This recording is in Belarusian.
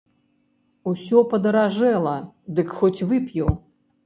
Усё падаражэла, дык хоць вып'ю.